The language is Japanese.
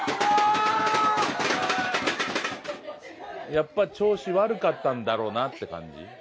やっぱ、調子悪かったんだろうなって感じ。